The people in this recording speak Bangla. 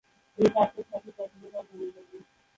এই কাব্যের সঠিক রচনাকাল জানা যায়নি।